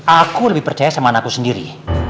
aku lebih percaya sama anakku sendiri